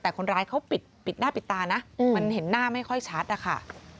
แต่คนร้ายเขาปิดหน้าปิดตานะมันเห็นหน้าไม่ค่อยชัดนะคะ